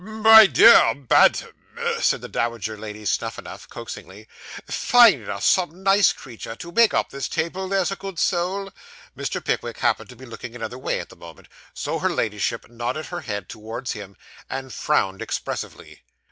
'My dear Bantam,' said the Dowager Lady Snuphanuph coaxingly, 'find us some nice creature to make up this table; there's a good soul.' Mr. Pickwick happened to be looking another way at the moment, so her Ladyship nodded her head towards him, and frowned expressively.